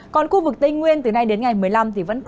còn khu vực tây nguyên từ nay đến ngày một mươi năm